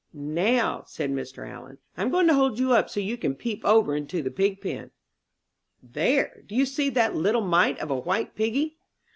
"Now," said Mr. Allen, "I'm going to hold you up so you can peep over into the pig pen. There, do you see that little mite of a white piggy?"